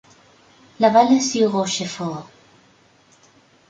La Valla-sur-Rochefort